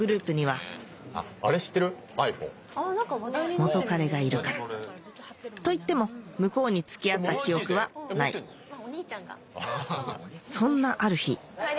元カレがいるからといっても向こうに付き合った記憶はないそんなある日帰り